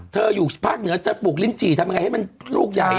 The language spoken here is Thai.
อยู่ภาคเหนือจะปลูกลิ้นจี่ทำยังไงให้มันลูกใหญ่